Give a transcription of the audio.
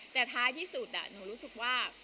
แต่ท้ายที่สุดหนูรู้สึกว่า